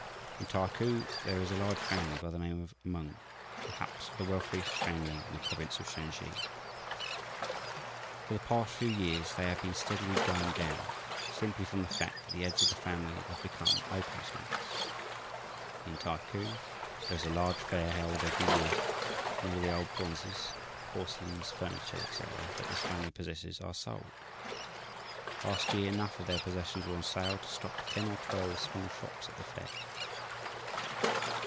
"In Taiku there is a large family by the name of Meng, perhaps the wealthiest family in the province of Shansi. For the past few years they have been steadily going down, simply from the fact that the heads of the family have become opium smokers. In Taiku there is a large fair held each year, and all the old bronzes, porcelains, furniture, etc., that this family possesses are sold. Last year enough of their possessions were on sale to stock ten or twelve small shops at the fair.